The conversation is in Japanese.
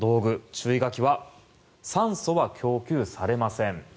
注意書きは酸素は供給されません。